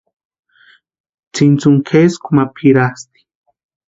Tsintsuni kʼeskwa ma pʼirasti.